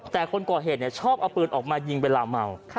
แต่คนก่อเหตุชอบเอาปืนออกมายิงเวลาเมา